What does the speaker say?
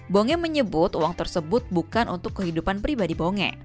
bonge menyebut uang tersebut bukan untuk kehidupan pribadi bonge